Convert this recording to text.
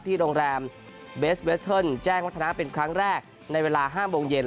โรงแรมเบสเวสเทิร์นแจ้งวัฒนาเป็นครั้งแรกในเวลา๕โมงเย็น